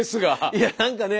いや何かね